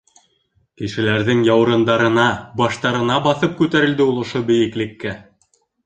Кешеләрҙең яурындарына, баштарына баҫып күтәрелде ул ошо бейеклеккә.